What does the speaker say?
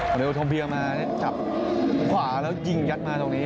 ขอเร็วธมเพียตัดมาจับขวาแล้วกินยัดมาตรงเนี้ย